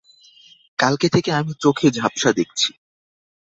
কালকে থেকে আমি চোখে ঝাপ্সা দেখছি।